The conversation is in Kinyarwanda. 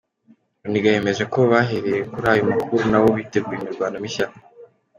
Runiga yemeza ko bahereye kuri ayo makuru nabo biteguye imirwano mishya.